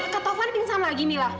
ketaufan pingsan lagi mila